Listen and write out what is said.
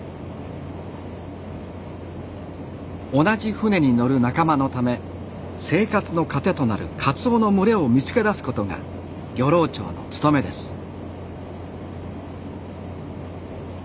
同じ船に乗る仲間のため生活の糧となるカツオの群れを見つけだすことが漁労長の務めです。